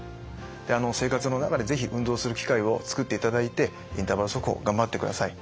生活の中で是非運動する機会をつくっていただいてインターバル速歩頑張ってください。